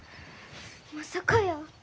まさかやー。